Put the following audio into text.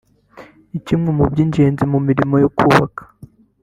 ni kimwe mu by’ingenzi mu mirimo yo kubaka